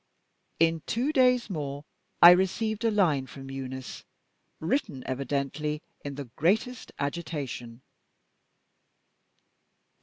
In two days more, I received a line from Eunice, written evidently in the greatest agitation.